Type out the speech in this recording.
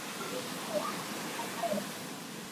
罗谢布兰人口变化图示